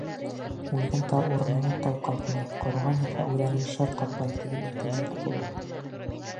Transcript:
«Үлгән тау урынына тау ҡалҡмай, ҡороған йылға үҙәнен шыр ҡаплай» тигән әйтемдәр ҙә ҡуллана.